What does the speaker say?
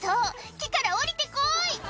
木から下りて来い」